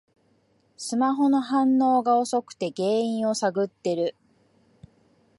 スマホの反応が遅くて原因を探ってる